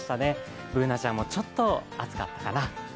Ｂｏｏｎａちゃんもちょっと暑かったかな。